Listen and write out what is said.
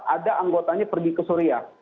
ada anggotanya pergi ke suriah